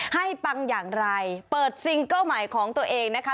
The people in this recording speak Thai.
ปังอย่างไรเปิดซิงเกิ้ลใหม่ของตัวเองนะคะ